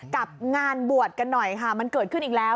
กับงานบวชกันหน่อยค่ะมันเกิดขึ้นอีกแล้ว